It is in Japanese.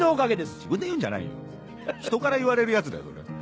「自分で言うんじゃないよ人から言われるやつだよそれ」